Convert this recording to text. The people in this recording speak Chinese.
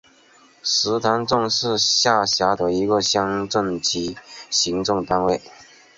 石塘镇是下辖的一个乡镇级行政单位。